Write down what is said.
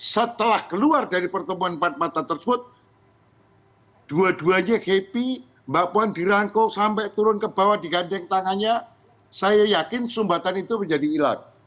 setelah keluar dari pertemuan empat mata tersebut dua duanya happy mbak puan dirangkul sampai turun ke bawah di gandeng tangannya saya yakin sumbatan itu menjadi ilak